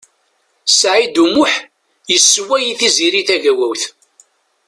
Saɛid U Muḥ yessewway i Tiziri Tagawawt.